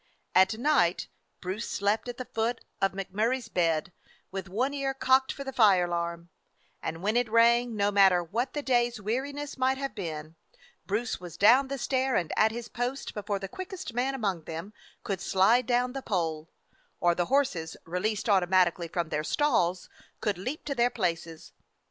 At night Bruce slept at the foot of Mac 257 DOG HEROES OF MANY LANDS Murray's bed, with one ear cocked for the fire alarm; and when it rang, no matter what the day's weariness might have been, Bruce was down the stair and at his post before the quickest man among them could slide down the pole, or the horses, released automatically from their stalls, could leap to their places.